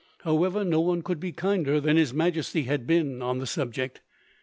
However, no one could be kinder than His Majesty has been, on the subject.